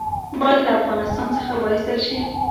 باید له افغانستان څخه وایستل شي.